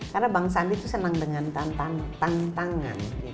karena bang sandi itu senang dengan tantangan gitu